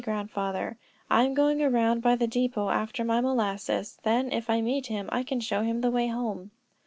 Grandfather, I'm going around by the depot after my molasses, then if I meet him, I can show him the way home."